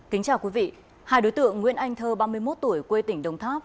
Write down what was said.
kính chào quý vị hai đối tượng nguyễn anh thơ ba mươi một tuổi quê tỉnh đồng tháp